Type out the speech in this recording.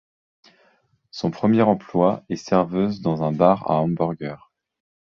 Son premier emploi est serveuse dans un bar à hamburger.